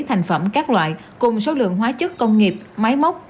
thành phẩm các loại cùng số lượng hóa chất công nghiệp máy móc